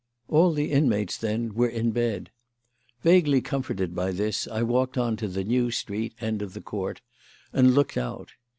All the inmates, then, were in bed. Vaguely comforted by this, I walked on to the New Street end of the court and looked out.